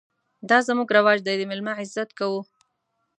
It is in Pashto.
_دا زموږ رواج دی، د مېلمه عزت کوو.